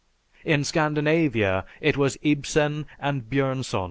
In Scandinavia it was Ibsen and Björnson.